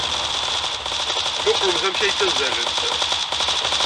Mmuqqlemt amek ay ttazzalent!